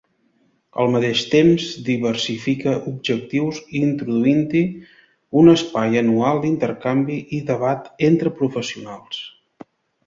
Al mateix temps, diversifica objectius introduint-hi un espai anual d'intercanvi i debat entre professionals.